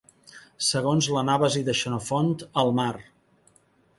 Segons l'Anàbasi de Xenofont, el mar!